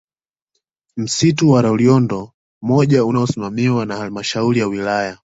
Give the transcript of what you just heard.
Msitu wa Loliondo moja unaosimamiwa na Halmashauri ya Wilaya